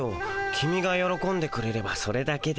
キミがよろこんでくれればそれだけで。